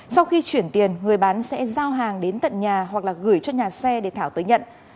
sau khi chuyển tiền người bán sẽ giao hàng đến tận nhà hoặc là gửi cho nhà xe để thảo tới nhận